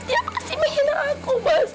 ya pasti menghina aku mas